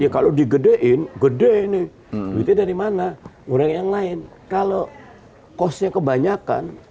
kalau digedein gede ini duitnya dari mana orang yang lain kalau kosnya kebanyakan